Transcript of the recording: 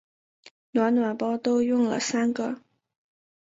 暖暖包都用了三个